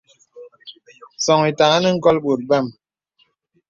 Sɔ̄ŋ itāgā nə ngɔ̀l bòt bam.